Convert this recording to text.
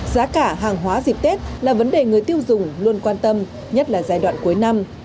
giá cả hàng hóa dịp tết là vấn đề người tiêu dùng luôn quan tâm nhất là giai đoạn cuối năm